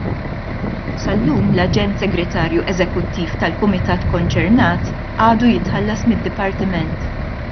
Sal-lum l-aġent segretarju eżekuttiv tal-kumitat konċernat għadu jitħallas mid-dipartiment.